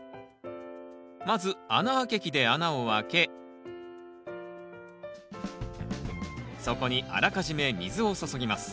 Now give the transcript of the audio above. まず穴あけ器で穴をあけそこにあらかじめ水を注ぎます